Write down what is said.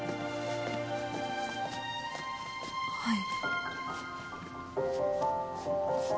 はい。